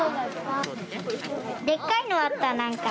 でっかいのあった、なんか。